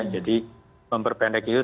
jadi memperpendek itu